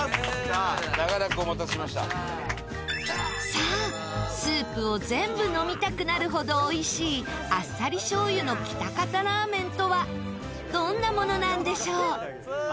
さあスープを全部飲みたくなるほどおいしいあっさり醤油の喜多方ラーメンとはどんなものなんでしょう？